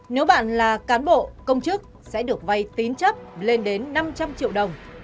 nếu bạn là cán bộ công chức sẽ được vay tín chấp lên đến năm trăm linh triệu đồng